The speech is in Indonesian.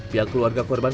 pihak keluarga korban